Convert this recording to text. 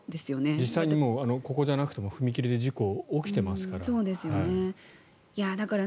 実際にここじゃなくても踏切で事故は起きていますから。